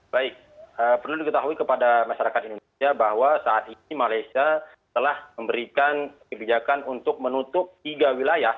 baik perlu diketahui kepada masyarakat indonesia bahwa saat ini malaysia telah memberikan kebijakan untuk menutup tiga wilayah